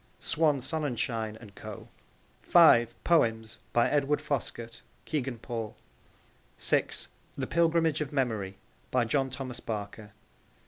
(Swan Sonnenschein and Co.) (5) Poems. By Edward Foskett. (Kegan Paul.) (6) The Pilgrimage of Memory. By John Thomas Barker.